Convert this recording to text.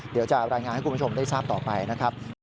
เดี๋ยวจะรายงานให้คุณผู้ชมได้ทราบต่อไปนะครับ